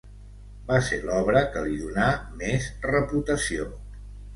Va ser l'obra que li donà més reputació.